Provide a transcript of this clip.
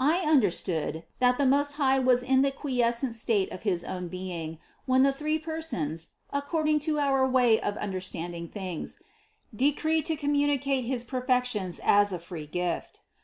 31. I understood, that the Most High was in the quiescent state of his own being, when the three Persons 50 CITY OF GOD (according to our way of understanding things), decreed to communicate his perfections as a free gift.